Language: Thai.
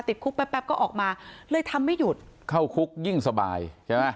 ติดคุกแป๊บก็ออกมาเลยทำไม่หยุดเข้าคุกยิ่งสบายใช่ไหม